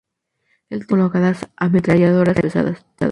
En el techo fueron colocadas ametralladoras pesadas.